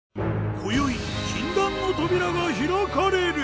今宵禁断の扉が開かれる。